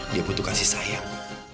dia butuh kasih sayang